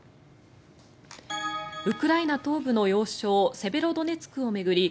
ウクライナ東部の要衝セベロドネツクを巡り